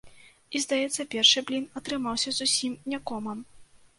І, здаецца, першы блін атрымаўся зусім не комам.